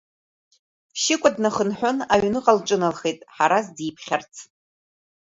Шьыкәа днахынҳәын, аҩныҟа лҿыналхеит Ҳараз диԥхьарц.